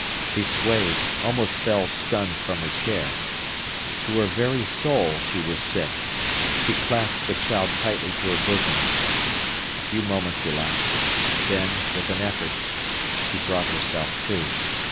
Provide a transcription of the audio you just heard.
She swayed, almost fell stunned from her chair. To her very soul she was sick; she clasped the child tightly to her bosom. A few moments elapsed; then, with an effort, she brought herself to.